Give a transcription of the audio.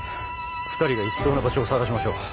２人が行きそうな場所を捜しましょう。